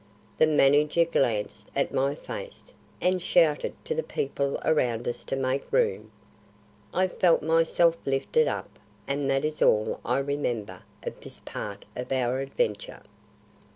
The manager glanced at my face, and shouted to the people around us to make room. I felt myself lifted up, and that is all I remember of this part of our adventure.